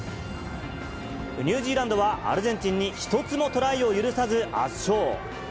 ニュージーランドはアルゼンチンに１つもトライを許さず、圧勝。